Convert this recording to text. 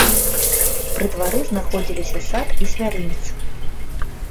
Пры двары знаходзіліся сад і звярынец.